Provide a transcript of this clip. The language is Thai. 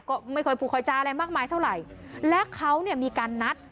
ก็ไม่ค่อยผูกคอยจะอะไรมากมายเท่าไหร่และเขาเนี่ยมีการนัด